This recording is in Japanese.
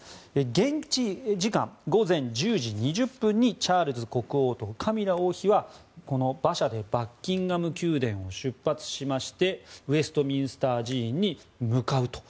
現地時間午前１０時２０分にチャールズ国王とカミラ王妃は馬車でバッキンガム宮殿を出発しましてウェストミンスター寺院に向かうと。